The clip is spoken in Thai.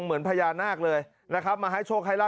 เหมือนพญานาคเลยนะครับมาให้โชคให้ลาบ